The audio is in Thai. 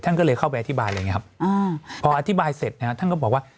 ท่านก็เลยเข้าไปอธิบายเลยอย่างนี้ครับพออธิบายเสร็จท่านก็บอกว่า